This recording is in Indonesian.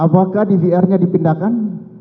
apakah dvr nya dipindahkan